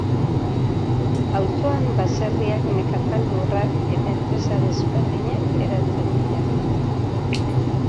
Auzoan baserriak, nekazal lurrak, eta enpresa desberdinak hedatzen dira.